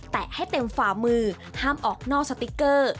ให้เต็มฝ่ามือห้ามออกนอกสติ๊กเกอร์